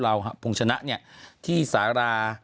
หาพงษ์ชนะเนี่ยที่สารา